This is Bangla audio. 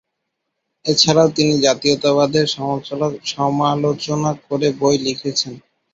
এছাড়াও তিনি জাতীয়তাবাদের সমালোচনা করে বই লিখেছেন।